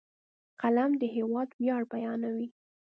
قلم د هېواد ویاړ بیانوي